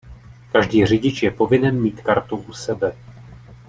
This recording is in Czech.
Každý řidič je povinen mít kartu u sebe.